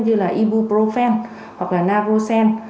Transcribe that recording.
như là ibuprofen hoặc là nabrosen